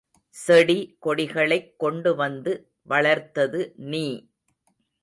செடி கொடிகளைக் கொண்டு வந்து வளர்த்தது நீ.